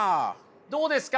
どうですか？